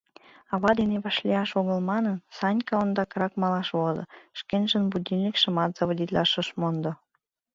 Ава дене вашлияш огыл манын, Санька ондакрак малаш возо, шкенжын «будильникшымат» заводитлаш ыш мондо.